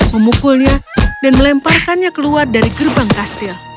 memukulnya dan melemparkannya keluar dari gerbang kastil